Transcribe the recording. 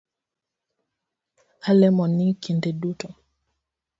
Alemoni kinde duto